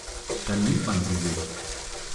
Dann nimmt man sie sich.